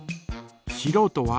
しろうとは？